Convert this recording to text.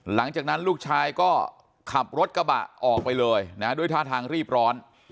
หลังจากนั้นลูกชายก็ขับรถกระบะออกไปเลยนะด้วยท่าทางรีบร้อน